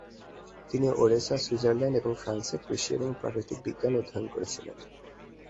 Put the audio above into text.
তিনি Odessa, Switzerland এবং ফ্রান্সে কৃষি ও প্রাকৃতিক বিজ্ঞান অধ্যয়ন করেছিলেন।